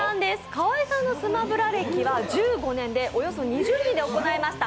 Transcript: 川井さんのスマブラ歴は１５年でおよそ２０人で行いました